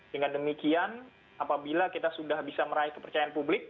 dengan demikian apabila kita sudah bisa meraih kepercayaan publik